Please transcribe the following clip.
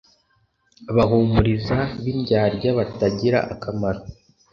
Abahumuriza b indyarya batagira akamaro